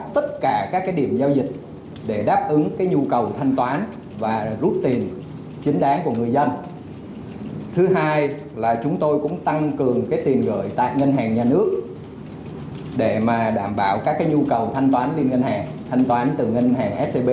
để đảm bảo các nhu cầu thanh toán liên ngân hàng thanh toán từ ngân hàng scb